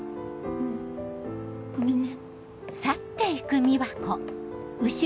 うんごめんね。